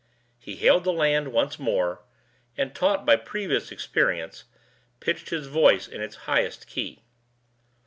He hailed the land once more, and, taught by previous experience, pitched his voice in its highest key.